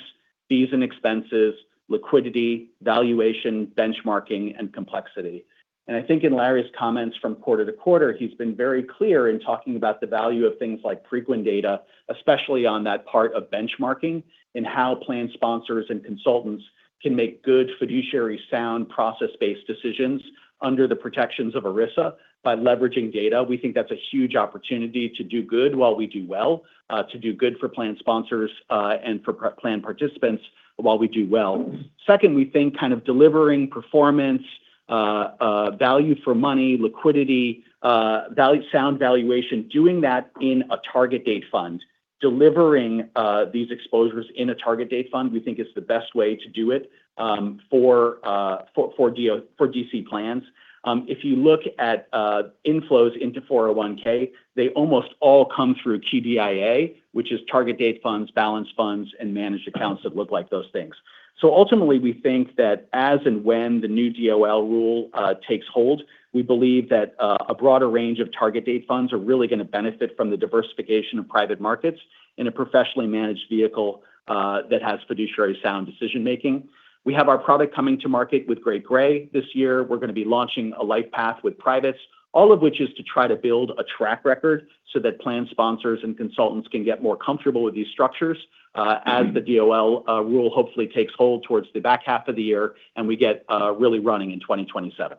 fees and expenses, liquidity, valuation, benchmarking, and complexity. I think in Larry's comments from quarter-to-quarter, he's been very clear in talking about the value of things like frequent data, especially on that part of benchmarking, and how plan sponsors and consultants can make good, fiduciary, sound, process-based decisions under the protections of ERISA by leveraging data. We think that's a huge opportunity to do good while we do well, to do good for plan sponsors, and for plan participants while we do well. Second, we think delivering performance, value for money, liquidity, sound valuation, doing that in a target date fund, delivering these exposures in a target date fund, we think is the best way to do it for DC plans. If you look at inflows into 401(k), they almost all come through QDIA, which is target date funds, balanced funds, and managed accounts that look like those things. Ultimately, we think that as and when the new DOL rule takes hold, we believe that a broader range of target date funds are really going to benefit from the diversification of private markets in a professionally managed vehicle that has fiduciary sound decision making. We have our product coming to market with Great Gray this year. We're going to be launching a LifePath with privates, all of which is to try to build a track record so that plan sponsors and consultants can get more comfortable with these structures as the DOL rule hopefully takes hold towards the back half of the year and we get really running in 2027.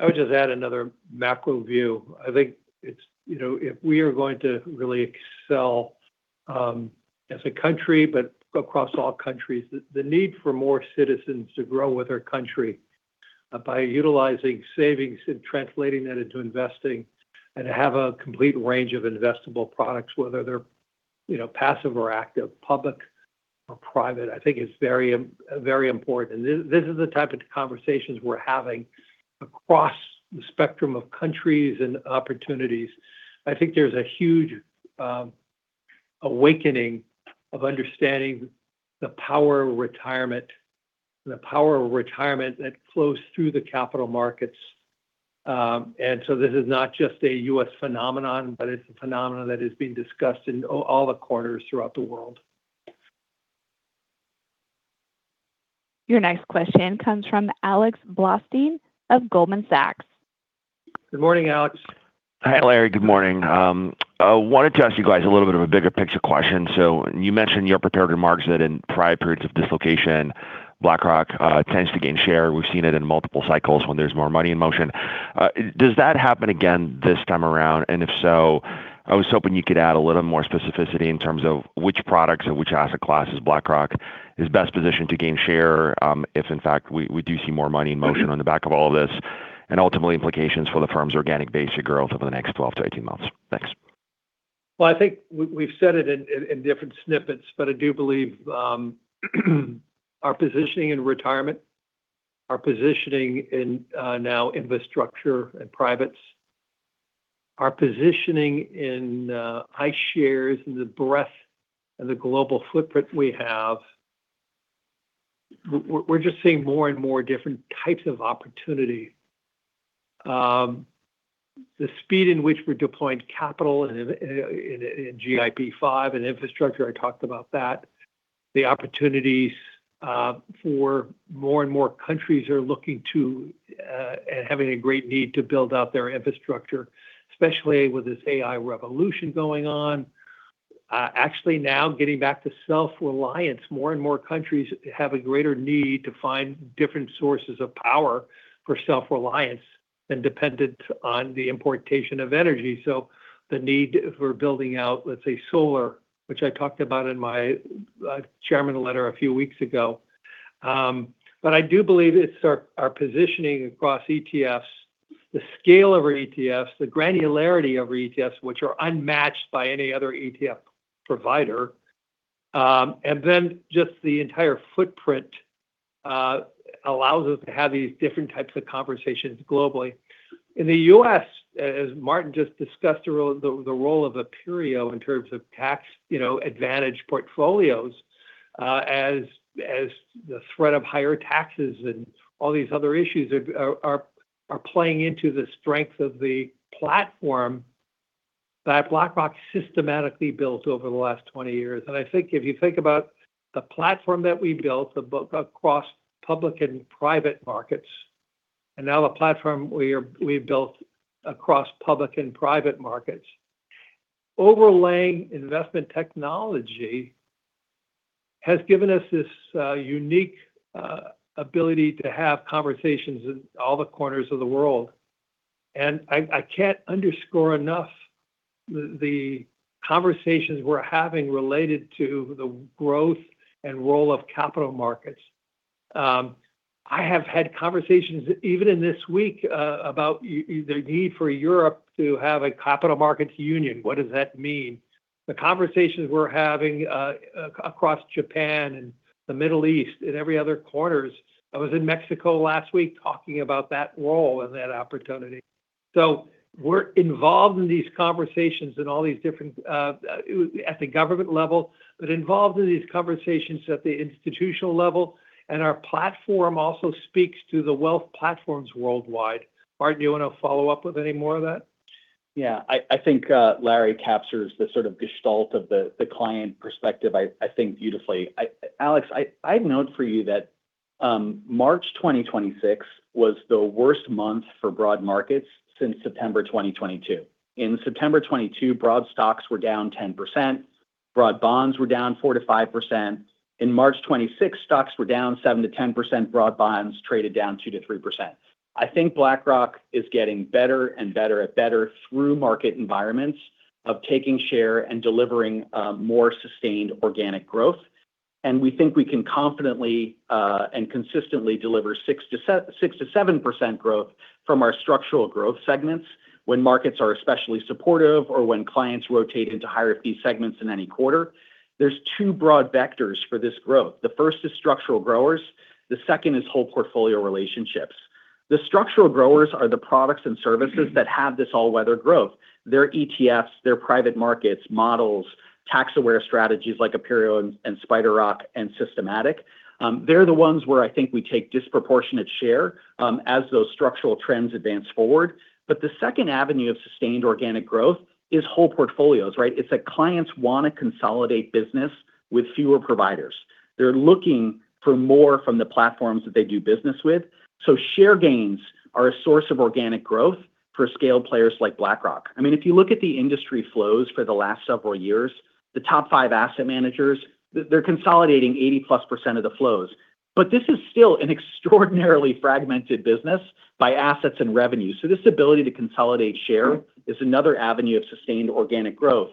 I would just add another macro view. I think if we are going to really excel as a country, but across all countries, the need for more citizens to grow with our country by utilizing savings and translating that into investing and to have a complete range of investable products, whether they're passive or active, public or private, I think is very important. This is the type of conversations we're having across the spectrum of countries and opportunities. I think there's a huge awakening of understanding the power of retirement that flows through the capital markets. This is not just a U.S. phenomenon, but it's a phenomenon that is being discussed in all the corners throughout the world. Your next question comes from Alex Blostein of Goldman Sachs. Good morning, Alex. Hi, Larry. Good morning. I wanted to ask you guys a little bit of a bigger picture question. You mentioned in your prepared remarks that in prior periods of dislocation, BlackRock tends to gain share. We've seen it in multiple cycles when there's more money in motion. Does that happen again this time around? If so, I was hoping you could add a little more specificity in terms of which products or which asset classes BlackRock is best positioned to gain share, if in fact, we do see more money in motion on the back of all this, and ultimately implications for the firm's organic base to grow over the next 12-18 months. Thanks. Well, I think we've said it in different snippets, but I do believe our positioning in retirement, our positioning in now infrastructure and privates, our positioning in iShares and the breadth of the global footprint we have, we're just seeing more and more different types of opportunity. The speed in which we're deploying capital in GIP V and infrastructure, I talked about that. The opportunities for more and more countries are looking to, and having a great need to build out their infrastructure, especially with this AI revolution going on. Actually, now getting back to self-reliance. More and more countries have a greater need to find different sources of power for self-reliance than dependent on the importation of energy. The need for building out, let's say, solar, which I talked about in my Chairman letter a few weeks ago. But I do believe it's our positioning across ETFs, the scale of our ETFs, the granularity of our ETFs, which are unmatched by any other ETF provider. And then just the entire footprint allows us to have these different types of conversations globally. In the U.S., as Martin just discussed, the role of Aperio in terms of tax-advantaged portfolios, as the threat of higher taxes and all these other issues are playing into the strength of the platform that BlackRock systematically built over the last 20 years. I think if you think about the platform we built across public and private markets, overlaying investment technology has given us this unique ability to have conversations in all the corners of the world. I can't underscore enough the conversations we're having related to the growth and role of capital markets. I have had conversations even in this week about the need for Europe to have a Capital Markets Union. What does that mean, the conversations we're having across Japan and the Middle East and every other corners? I was in Mexico last week talking about that role and that opportunity. We're involved in these conversations at the government level, but involved in these conversations at the institutional level, and our platform also speaks to the wealth platforms worldwide. Martin, do you want to follow up with any more of that? Yeah. I think Larry captures the sort of gestalt of the client perspective, I think beautifully. Alex, I'd note for you that March 2026 was the worst month for broad markets since September 2022. In September 2022, broad stocks were down 10%, broad bonds were down 4%-5%. In March 2026, stocks were down 7%-10%, broad bonds traded down 2%-3%. I think BlackRock is getting better and better at through-market environments of taking share and delivering more sustained organic growth. We think we can confidently and consistently deliver 6%-7% growth from our structural growth segments when markets are especially supportive or when clients rotate into higher fee segments in any quarter. There's two broad vectors for this growth. The first is structural growers, the second is whole portfolio relationships. The structural growers are the products and services that have this all-weather growth. They're ETFs, they're private markets, models, tax-aware strategies like Aperio and SpiderRock and Systematic. They're the ones where I think we take disproportionate share as those structural trends advance forward. The second avenue of sustained organic growth is whole portfolios, right? It's that clients want to consolidate business with fewer providers. They're looking for more from the platforms that they do business with. Share gains are a source of organic growth for scale players like BlackRock. If you look at the industry flows for the last several years, the top five asset managers, they're consolidating 80%+ of the flows. This is still an extraordinarily fragmented business by assets and revenue. This ability to consolidate share is another avenue of sustained organic growth.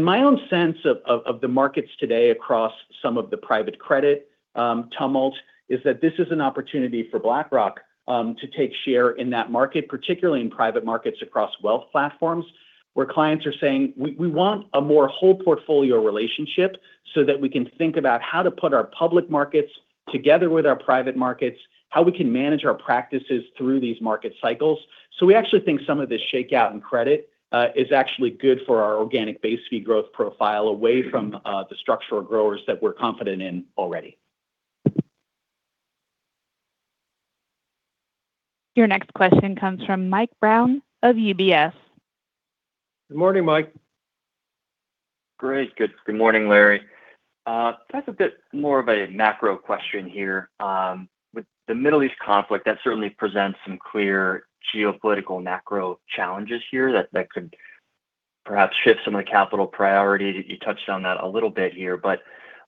My own sense of the markets today across some of the private credit tumult is that this is an opportunity for BlackRock to take share in that market, particularly in private markets across wealth platforms, where clients are saying, "We want a more whole portfolio relationship so that we can think about how to put our public markets together with our private markets, how we can manage our practices through these market cycles." We actually think some of this shakeout in credit is actually good for our organic base fee growth profile away from the structural growers that we're confident in already. Your next question comes from Mike Brown of UBS. Good morning, Mike. Great. Good morning, Larry. Can I ask a bit more of a macro question here? With the Middle East conflict, that certainly presents some clear geopolitical macro challenges here that could perhaps shift some of the capital priority. You touched on that a little bit here, but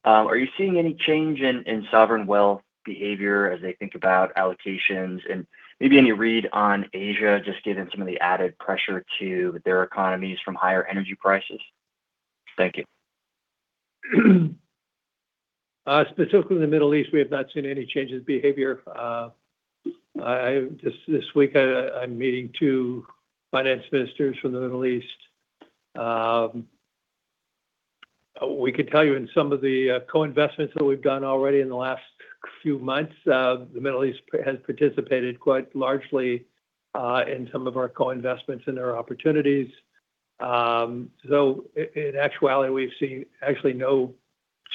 are you seeing any change in sovereign wealth behavior as they think about allocations? Maybe any read on Asia, just given some of the added pressure to their economies from higher energy prices? Thank you. Specifically in the Middle East, we have not seen any changes in behavior. Just this week, I'm meeting two finance ministers from the Middle East. We could tell you in some of the co-investments that we've done already in the last few months, the Middle East has participated quite largely in some of our co-investments and our opportunities. In actuality, we've seen actually no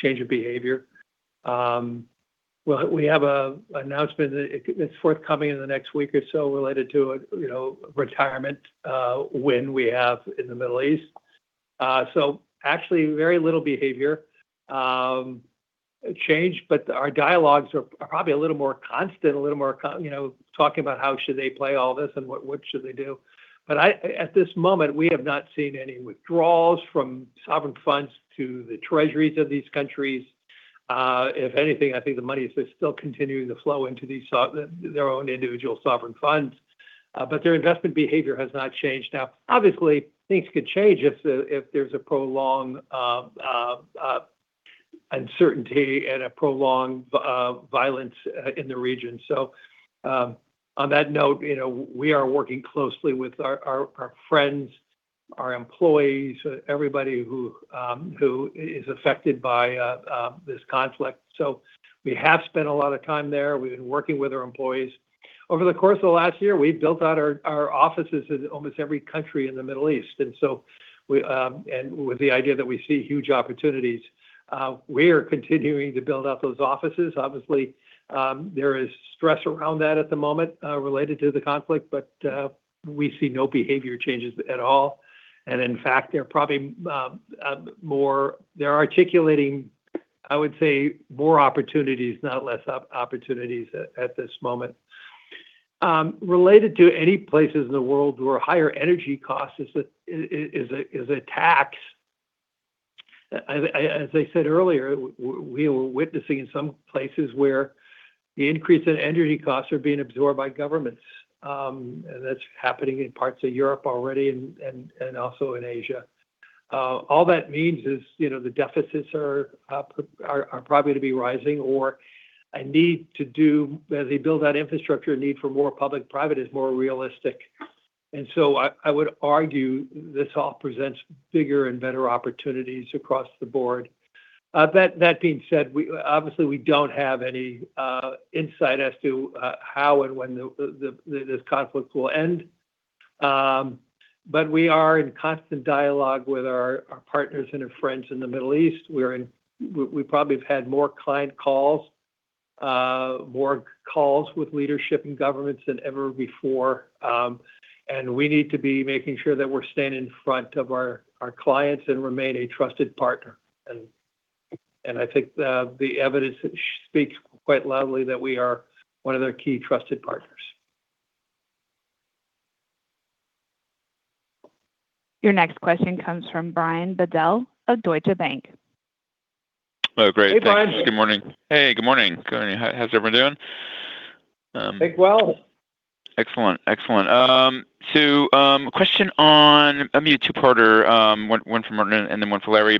change of behavior. We have an announcement that it's forthcoming in the next week or so related to a retirement win we have in the Middle East. Actually, very little behavior change, but our dialogues are probably a little more constant, talking about how should they play all this and what should they do. At this moment, we have not seen any withdrawals from sovereign funds to the treasuries of these countries. If anything, I think the money is still continuing to flow into their own individual sovereign funds, but their investment behavior has not changed. Now, obviously, things could change if there's a prolonged uncertainty and a prolonged violence in the region. On that note, we are working closely with our friends, our employees, everybody who is affected by this conflict. We have spent a lot of time there. We've been working with our employees. Over the course of the last year, we've built out our offices in almost every country in the Middle East. With the idea that we see huge opportunities, we are continuing to build out those offices. Obviously, there is stress around that at the moment related to the conflict, but we see no behavior changes at all. In fact, they're articulating, I would say, more opportunities, not less opportunities at this moment. Related to any places in the world where higher energy cost is a tax, as I said earlier, we are witnessing in some places where the increase in energy costs are being absorbed by governments. That's happening in parts of Europe already and also in Asia. All that means is the deficits are probably to be rising, or a need to do, as they build out infrastructure, a need for more public-private is more realistic. I would argue this all presents bigger and better opportunities across the board. That being said, obviously we don't have any insight as to how and when this conflict will end. We are in constant dialogue with our partners and our friends in the Middle East. We probably have had more client calls, more calls with leadership and governments than ever before. We need to be making sure that we're staying in front of our clients and remain a trusted partner. I think the evidence speaks quite loudly that we are one of their key trusted partners. Your next question comes from Brian Bedell of Deutsche Bank. Oh, great, thanks. Hey, Brian. Good morning. Hey, good morning. How's everyone doing? I think well. Excellent. A question on maybe a two-parter, one for Martin and then one for Larry.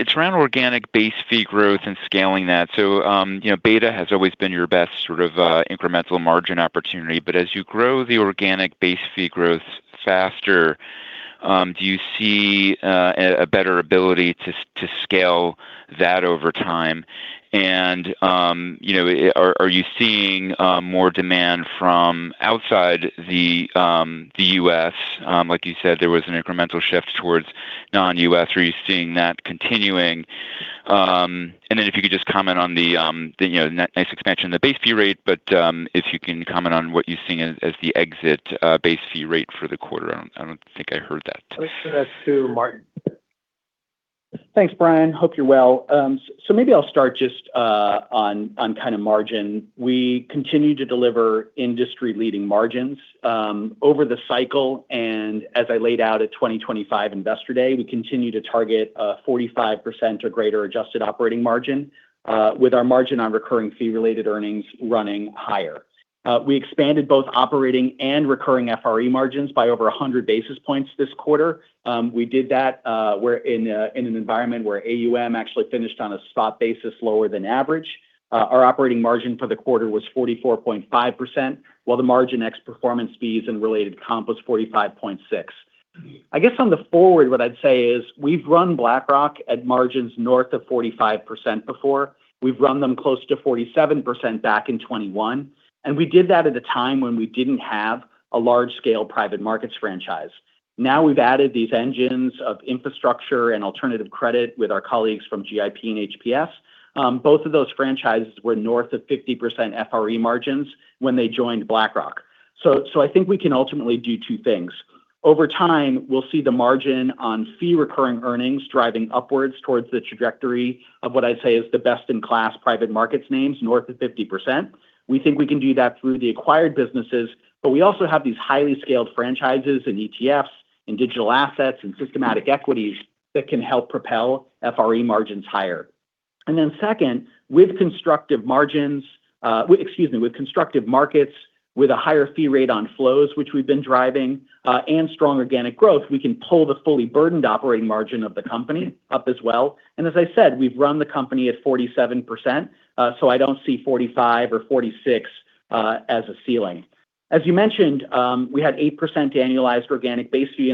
It's around organic base fee growth and scaling that. Beta has always been your best incremental margin opportunity, but as you grow the organic base fee growth faster, do you see a better ability to scale that over time? And, you know, are you seeing more demand from outside the U.S.? Like you said, there was an incremental shift towards non-U.S. Are you seeing that continuing? If you could just comment on the nice expansion in the base fee rate, but if you can comment on what you're seeing as the exit base fee rate for the quarter. I don't think I heard that. Let's give that to Martin. Thanks, Brian. I hope you're well. Maybe I'll start just on kind of margin. We continue to deliver industry-leading margins over the cycle. As I laid out at 2025 Investor Day, we continue to target a 45% or greater adjusted operating margin with our margin on recurring fee-related earnings running higher. We expanded both operating and recurring FRE margins by over 100 basis points this quarter. We did that in an environment where AUM actually finished on a spot basis lower than average. Our operating margin for the quarter was 44.5%, while the margin ex-performance fees and related comp was 45.6%. I guess on the forward, what I'd say is, we've run BlackRock at margins north of 45% before. We've run them close to 47% back in 2021. We did that at a time when we didn't have a large-scale private markets franchise. Now we've added these engines of infrastructure and alternative credit with our colleagues from GIP and HPS. Both of those franchises were north of 50% FRE margins when they joined BlackRock. I think we can ultimately do two things. Over time, we'll see the margin on fee-related earnings driving upwards towards the trajectory of what I'd say is the best-in-class private markets names, north of 50%. We think we can do that through the acquired businesses, but we also have these highly scaled franchises in ETFs, in digital assets, and systematic equities that can help propel FRE margins higher. Second, with constructive markets, with a higher fee rate on flows, which we've been driving, and strong organic growth, we can pull the fully burdened operating margin of the company up as well. As I said, we've run the company at 47%, so I don't see 45% or 46% as a ceiling. As you mentioned, we had 8% annualized organic base fee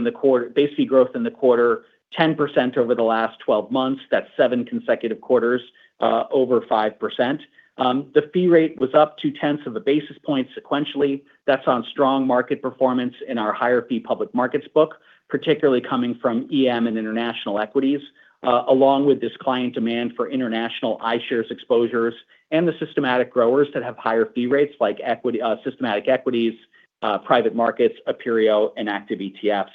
growth in the quarter, 10% over the last 12 months. That's seven consecutive quarters over 5%. The fee rate was up two-tenths of a basis point sequentially. That's on strong market performance in our higher-fee public markets book, particularly coming from EM and international equities, along with this client demand for international iShares exposures and the systematic growers that have higher-fee rates like systematic equities, private markets, Aperio, and active ETFs.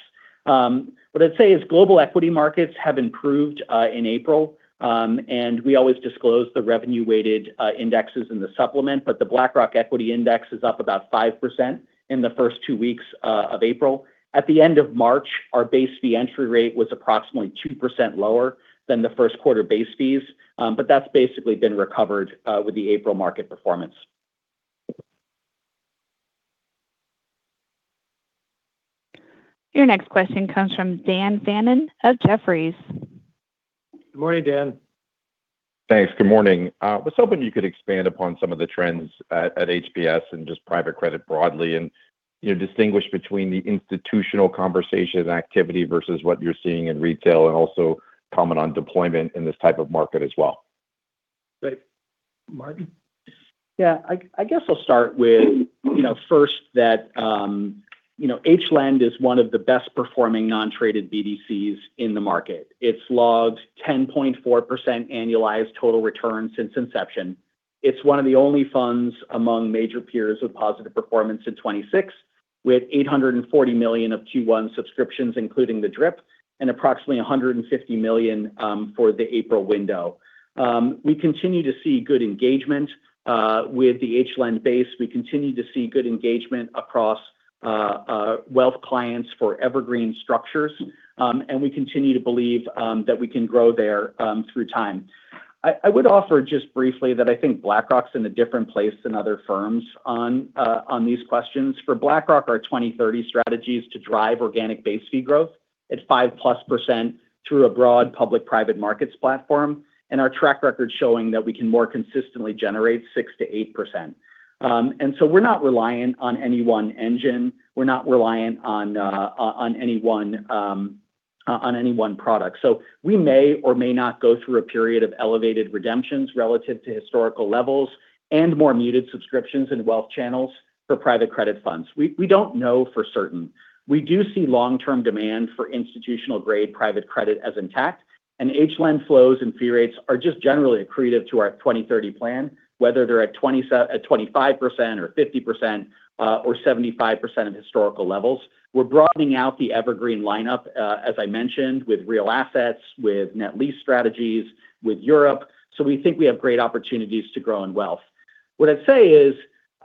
What I'd say is global equity markets have improved in April, and we always disclose the revenue-weighted indexes in the supplement, but the BlackRock Equity Index is up about 5% in the first two weeks of April. At the end of March, our base fee entry rate was approximately 2% lower than the first quarter base fees, but that's basically been recovered with the April market performance. Your next question comes from Dan Fannon of Jefferies. Good morning, Dan. Thanks. Good morning. I was hoping you could expand upon some of the trends at HPS and just private credit broadly, and distinguish between the institutional conversation and activity versus what you're seeing in retail, and also comment on deployment in this type of market as well. Great. Martin? Yeah. I guess I'll start with first that HLEND is one of the best performing non-traded BDCs in the market. It's logged 10.4% annualized total return since inception. It's one of the only funds among major peers with positive performance in 2026. We had $840 million of Q1 subscriptions, including the DRIP, and approximately $150 million for the April window. We continue to see good engagement with the HLEND base. We continue to see good engagement across wealth clients for evergreen structures, and we continue to believe that we can grow there through time. I would offer just briefly that I think BlackRock's in a different place than other firms on these questions. For BlackRock, our 2030 strategy is to drive organic base fee growth at 5%+ through a broad public-private markets platform, and our track record's showing that we can more consistently generate 6%-8%. We're not reliant on any one engine. We're not reliant on any one product. We may or may not go through a period of elevated redemptions relative to historical levels and more muted subscriptions in wealth channels for private credit funds. We don't know for certain. We do see long-term demand for institutional-grade private credit as intact, and HLEND flows and fee rates are just generally accretive to our 2030 plan, whether they're at 25% or 50% or 75% of historical levels. We're broadening out the evergreen lineup, as I mentioned, with real assets, with net lease strategies, with Europe. We think we have great opportunities to grow in wealth. What I'd say is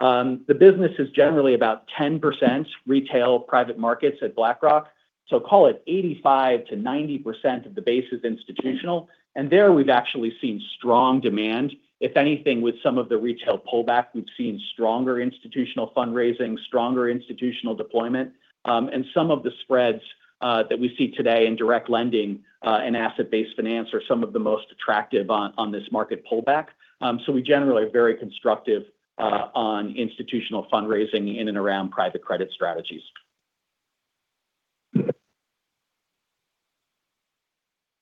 the business is generally about 10% retail private markets at BlackRock. Call it 85%-90% of the base is institutional, and there we've actually seen strong demand. If anything, with some of the retail pullback, we've seen stronger institutional fundraising, stronger institutional deployment. Some of the spreads that we see today in direct lending and asset-based finance are some of the most attractive on this market pullback. We generally are very constructive on institutional fundraising in and around private credit strategies.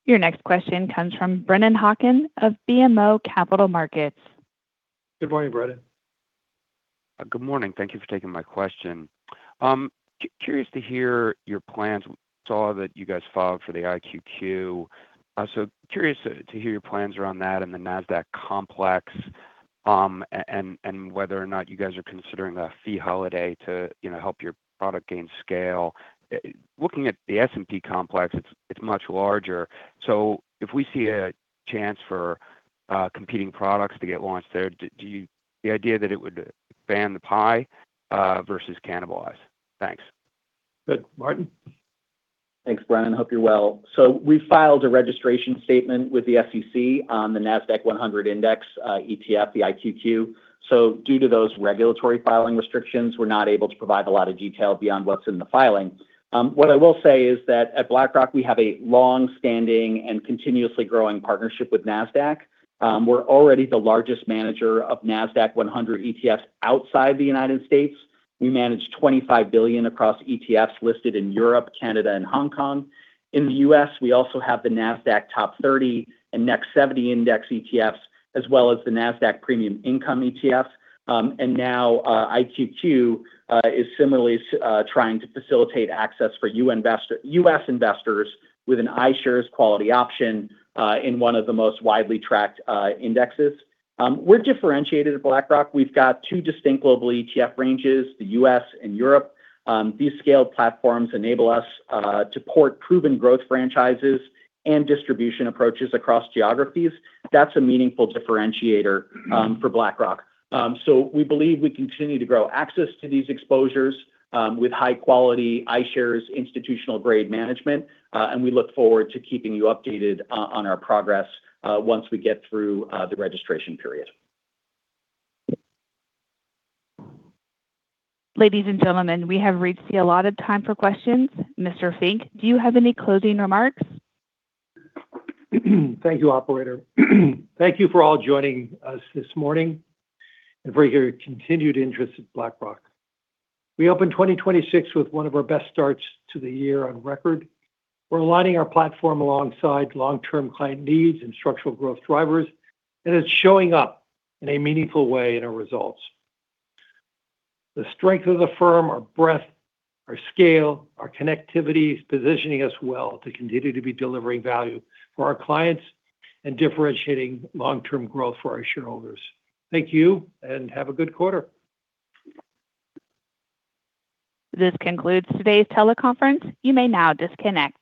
Your next question comes from Brennan Hawken of BMO Capital Markets. Good morning, Brennan. Good morning. Thank you for taking my question. Curious to hear your plans. We saw that you guys filed for the IQQ. Curious to hear your plans around that and the Nasdaq complex, and whether or not you guys are considering a fee holiday to help your product gain scale. Looking at the S&P complex, it's much larger. If we see a chance for competing products to get launched there, the idea that it would expand the pie versus cannibalize. Thanks. Good. Martin? Thanks, Brennan. Hope you're well. We filed a registration statement with the SEC on the Nasdaq 100 index ETF, the IQQ. Due to those regulatory filing restrictions, we're not able to provide a lot of detail beyond what's in the filing. What I will say is that at BlackRock, we have a long-standing and continuously growing partnership with Nasdaq. We're already the largest manager of Nasdaq 100 ETFs outside the United States. We manage $25 billion across ETFs listed in Europe, Canada, and Hong Kong. In the U.S., we also have the Nasdaq Top 30 and Next 70 index ETFs, as well as the Nasdaq Premium Income ETF. Now IQQ is similarly trying to facilitate access for U.S. investors with an iShares quality option in one of the most widely tracked indexes. We're differentiated at BlackRock. We've got two distinct global ETF ranges, the U.S. and Europe. These scaled platforms enable us to port proven growth franchises and distribution approaches across geographies. That's a meaningful differentiator for BlackRock. We believe we continue to grow access to these exposures with high-quality iShares institutional-grade management, and we look forward to keeping you updated on our progress once we get through the registration period. Ladies and gentlemen, we have reached the allotted time for questions. Mr. Fink, do you have any closing remarks? Thank you, Operator. Thank you for all joining us this morning and for your continued interest in BlackRock. We opened 2026 with one of our best starts to the year on record. We're aligning our platform alongside long-term client needs and structural growth drivers, and it's showing up in a meaningful way in our results. The strength of the firm, our breadth, our scale, our connectivity is positioning us well to continue to be delivering value for our clients and differentiating long-term growth for our shareholders. Thank you, and have a good quarter. This concludes today's teleconference. You may now disconnect.